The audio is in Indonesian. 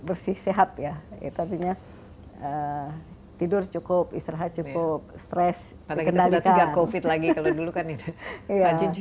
bersih sehat ya itu artinya tidur cukup istirahat cukup stress tingkat congratulations covichary